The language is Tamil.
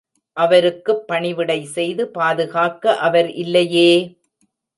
அவருக்குப் பணிவிடை செய்து பாதுகாக்க அவர் இல்லையே!